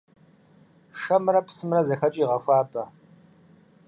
Шэмрэ псымрэ зэхэкӀи гъэхуабэ.